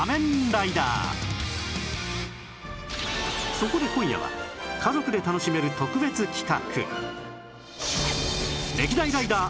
そこで今夜は家族で楽しめる特別企画